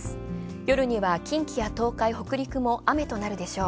夜には近畿や東海は雨となるでしょう。